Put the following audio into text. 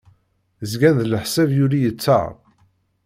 Zgan d leḥsab yuli yeṭṭer.